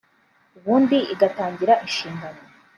ubundi igatangira inshingano